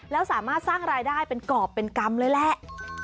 แล้วสามารถสร้างรายได้เป็นกรอบเป็นกรรมเลยแหละ